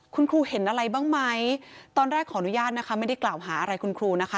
คุณครูเห็นอะไรบ้างไหมตอนแรกขออนุญาตนะคะไม่ได้กล่าวหาอะไรคุณครูนะคะ